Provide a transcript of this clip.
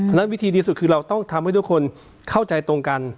เพราะฉะนั้นวิธีดีสุดคือเราต้องทำให้ทุกคนเข้าใจตรงกัน